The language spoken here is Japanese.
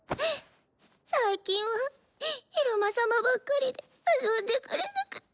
最近は「イルマ様」ばっかりで遊んでくれなくて。